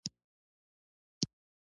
د اناناس کمپوټ وارداتی دی.